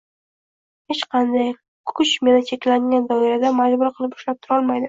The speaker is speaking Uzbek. Hech qanday kuch meni cheklangan doirada majbur qilib ushlab turolmaydi